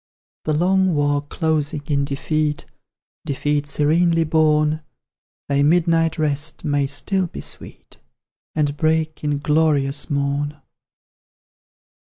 "The long war closing in defeat Defeat serenely borne, Thy midnight rest may still be sweet, And break in glorious morn!"